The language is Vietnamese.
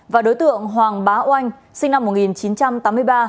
và đối tượng hoàng bá oanh sinh năm một nghìn chín trăm tám mươi ba